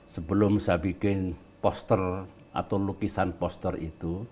sebelum saya bikin poster atau lukisan poster itu